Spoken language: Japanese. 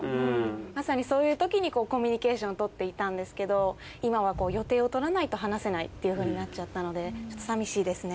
まさにそういう時にコミュニケーションとっていたんですけど今は予定をとらないと話せないっていうふうになっちゃったのでちょっと寂しいですね。